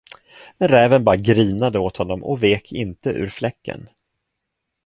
Men räven bara grinade åt honom och vek inte ur fläcken.